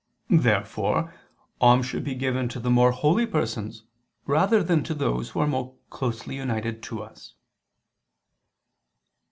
Therefore alms should be given to the more holy persons rather than to those who are more closely united to us.